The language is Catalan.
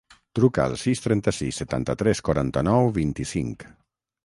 Truca al sis, trenta-sis, setanta-tres, quaranta-nou, vint-i-cinc.